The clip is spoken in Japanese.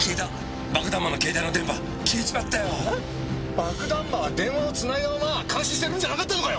爆弾魔は電話を繋いだまま監視してるんじゃなかったのかよ！？